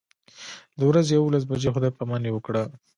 د ورځې یوولس بجې خدای پاماني وکړه.